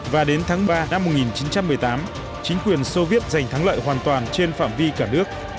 và đến tháng ba năm một nghìn chín trăm một mươi tám chính quyền soviet giành thắng lợi hoàn toàn trên phạm vi cả nước